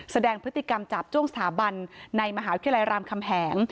แสดงพฤติกรรมจาบจ้วงสถาบันในมหาวิทยาลัยรามคำแหง